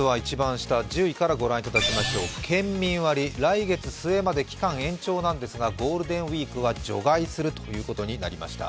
まずは一番下、１０位、県民割、来月末まで期間延長なんですがゴールデンウイークは除外するということになりました。